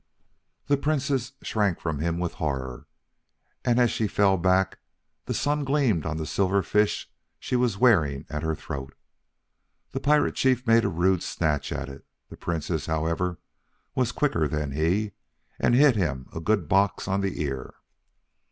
The Princess shrank from him with horror, and as she fell back, the sun gleamed on the silver fish she was wearing at her throat. The chief made a rude snatch at it; the Princess, however, was quicker than he, and hit him a good box on the ear.